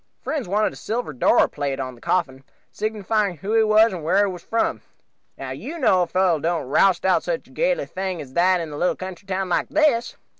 "Friends wanted a silver door plate on the coffin, signifying who he was and wher' he was from. Now you know a fellow couldn't roust out such a gaily thing as that in a little country town like this.